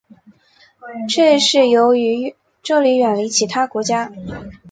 这是由于这里远离其他国家。